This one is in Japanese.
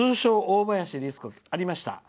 ありました。